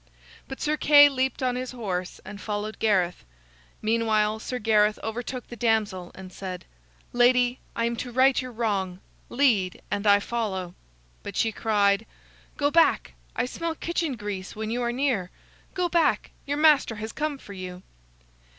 But Sir Kay leaped on his horse and followed Gareth. Meanwhile, Sir Gareth overtook the damsel and said: "Lady, I am to right your wrong. Lead and I follow." But she cried: "Go back! I smell kitchen grease when you are near. Go back! your master has come for you."